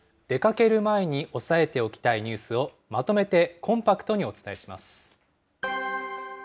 出かける前に押さえておきたいニュースをまとめてコンパクトにお伝えします。